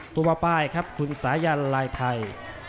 คุณประป้ายครับคุณสายัลลายไทย